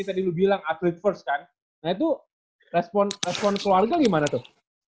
tadi lu bilang atlet first kan nah itu respon respon keluarga gimana tuh